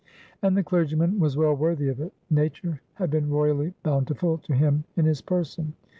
And the clergyman was well worthy of it. Nature had been royally bountiful to him in his person.